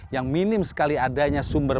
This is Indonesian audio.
yang minim sekali adanya sumber